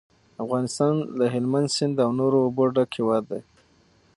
افغانستان له هلمند سیند او نورو اوبو ډک هیواد دی.